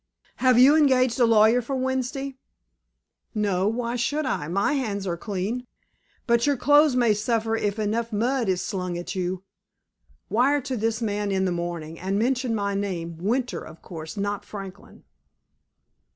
"Have you engaged a lawyer for Wednesday?" "No. Why should I? My hands are clean." "But your clothes may suffer if enough mud is slung at you. Wire to this man in the morning, and mention my name—Winter, of course, not Franklin."